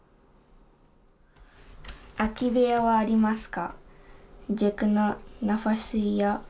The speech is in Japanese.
空き部屋はありますか。